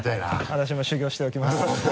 私も修業しておきます。